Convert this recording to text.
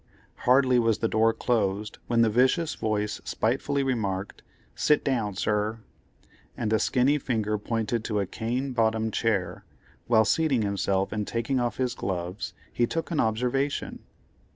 Hardly was the door closed, when the vicious voice spitefully remarked, "Sit down, sir;" and a skinny finger pointed to a cane bottomed chair. While seating himself and taking off his gloves, he took an observation.